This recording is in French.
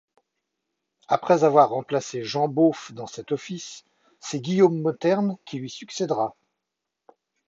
Après avoir remplacé Jean Bauffes dans cet office, c'est Guillaume Mauternes qui lui succédera.